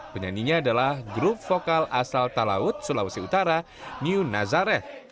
penyanyinya adalah grup vokal asal talaut sulawesi utara new nazareh